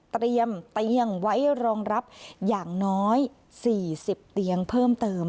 เตรียมเตียงไว้รองรับอย่างน้อย๔๐เตียงเพิ่มเติม